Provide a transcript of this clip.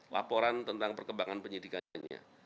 laporan tentang perkembangan penyidikannya